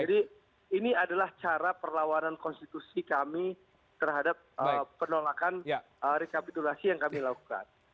jadi ini adalah cara perlawanan konstitusi kami terhadap penolakan rekapitulasi yang kami lakukan